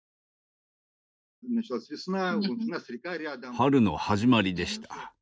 春の始まりでした。